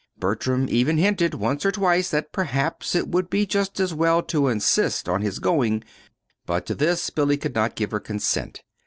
Bertram even hinted once or twice that perhaps it would be just as well to insist on his going; but to this Billy would not give her consent.